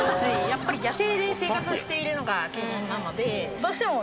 やっぱり野生で生活しているのが基本なのでどうしても。